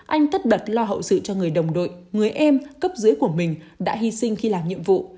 anh tất bật lo hậu sự cho người đồng đội người em cấp dưới của mình đã hy sinh khi làm nhiệm vụ